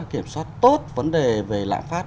kiểm soát tốt vấn đề về lạm phát